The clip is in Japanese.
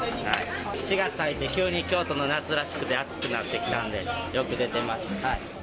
７月入って、急に京都の夏らしくて暑くなってきたんで、よく出てます。